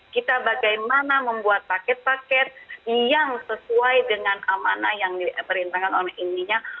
kita bagaimana membuat paket paket yang sesuai dengan amanah yang diperintahkan oleh iminya